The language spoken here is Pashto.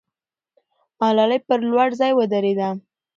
ملالۍ پر لوړ ځای ودرېده.